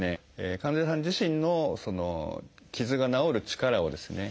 患者さん自身の傷が治る力をですね